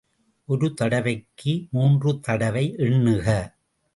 ஒருதடவைக்கு மூன்று தடவை எண்ணுக!